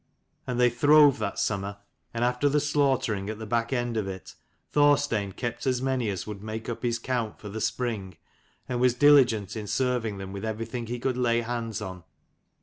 And they throve that summer, and after the slaughtering at the back end of it, Thorstein kept as many as would make up his count for the spring: and was diligent in serving them with everything he could lay hands on.